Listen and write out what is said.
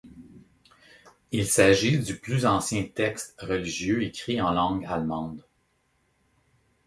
Il s'agit du plus ancien texte religieux écrit en langue allemande.